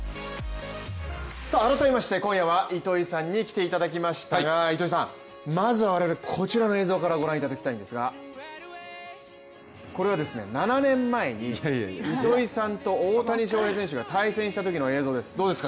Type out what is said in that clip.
改めまして今夜は糸井さんに来ていただきましたがまずはこちらの映像からご覧いただきたいんですがこれは７年前に、糸井さんと大谷翔平選手が対戦したときの映像です。